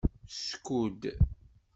Skud.